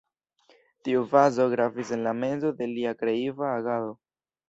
Tiu fazo gravis en la mezo de lia kreiva agado.